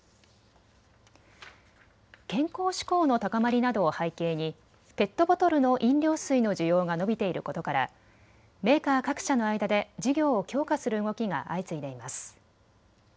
健康志向の高まりなどを背景にペットボトルの飲料水の需要が伸びていることからメーカー各社の間で事業を強化する動きが相次いでいます。